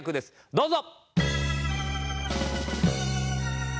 どうぞ！